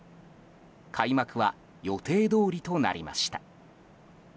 開幕は予定どおりとなりました。